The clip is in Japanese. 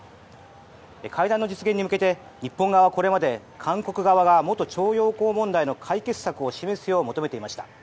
会談の実現に向けて日本側はこれまで韓国側が元徴用工問題の解決策を示すよう求めていました。